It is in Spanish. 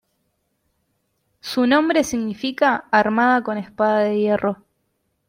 Su nombre significa "armada con espada de hierro".